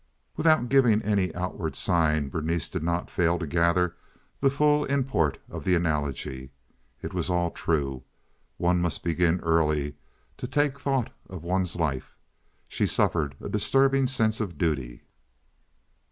Without giving any outward sign Berenice did not fail to gather the full import of the analogy. It was all true. One must begin early to take thought of one's life. She suffered a disturbing sense of duty.